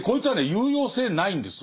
有用性ないんですよ